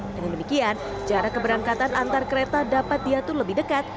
dengan demikian jarak keberangkatan antar kereta dapat diatur lebih dekat